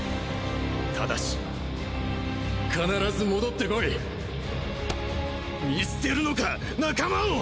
ただし必ず戻ってこい見捨てるのか！？仲間を！！